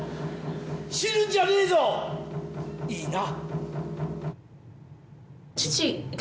「死ぬんじゃねえぞ！いいな？」